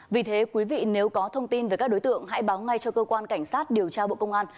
vì thế quý vị nếu có thông tin về các đối tượng hãy báo ngay cho cơ quan cảnh sát điều tra bộ công an